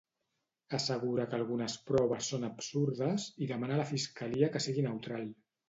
Assegura que algunes proves són absurdes, i demana a la Fiscalia que sigui neutral.